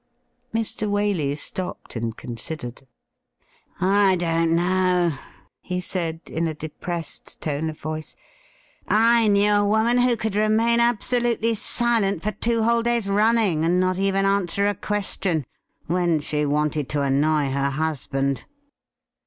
Mr. Waley stopped and considered. ' I don't know,' he said, in a depressed tone of voice. ' I knew a woman who could remain absolutely silent for MR. WALEY^S CHIEF 47 two whole days running, and not even answer a question, when she wanted to annoy her husband.'